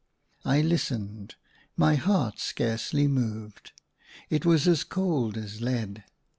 I listened : my heart scarcely moved ; it was as cold as lead.